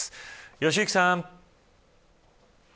良幸さん。